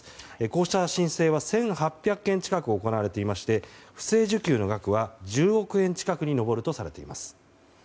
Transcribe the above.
こうした申請は１８００件近く行われていまして不正受給の額は１０億円近くに上るとされています。